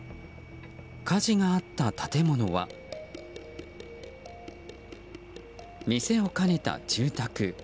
火事があった建物は店を兼ねた住宅。